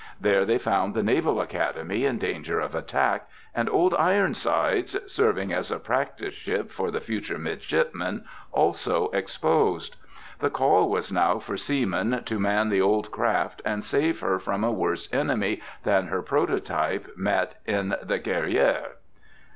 There they found the Naval Academy in danger of attack, and Old Ironsides serving as a practice ship for the future midshipmen also exposed. The call was now for seamen to man the old craft and save her from a worse enemy than her prototype met in the "Guerrière."